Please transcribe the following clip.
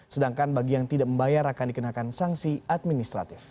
sedangkan bagi yang tidak membayar akan dikenakan sanksi administratif